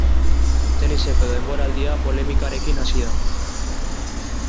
Teniseko denboraldia polemikarekin hasi da.